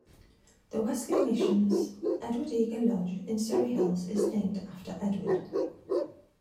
The Wesley Mission's Edward Eagar Lodge in Surry Hills is named after Edward.